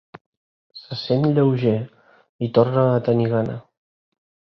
Se sent lleuger i torna a tenir gana.